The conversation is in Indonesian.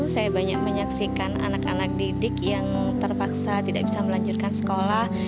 saya banyak menyaksikan anak anak didik yang terpaksa tidak bisa melanjutkan sekolah